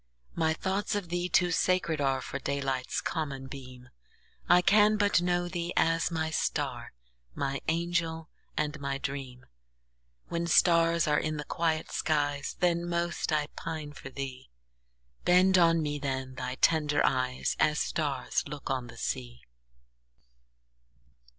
My thoughts of thee too sacred areFor daylight's common beam:I can but know thee as my star, My angel and my dream; When stars are in the quiet skies, Then most I pine for thee; Bend on me then thy tender eyes, As stars look on the sea!